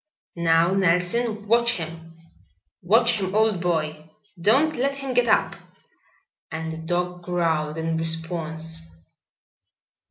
"Now, Nelson, watch him. Watch him, old boy. Don't let him get up." And the dog growled in response.